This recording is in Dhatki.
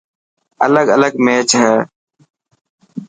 الگ الگ ميچ هي.